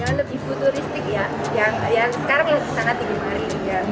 di futuristik ya yang sekarang sangat digemari